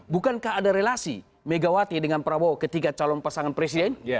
bukankah ada relasi megawati dengan prabowo ketiga calon pasangan presiden